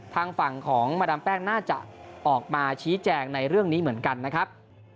ทางฝั่งของมาดามแป้งน่าจะออกมาชี้แจงในเรื่องนี้เหมือนกันนะครับ